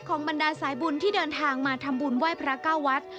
บรรดาสายบุญที่เดินทางมาทำบุญไหว้พระเก้าวัด